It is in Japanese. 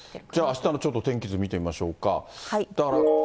あしたの天気図見てみましょうか。